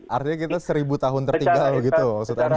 artinya kita seribu tahun tertinggal begitu maksud anda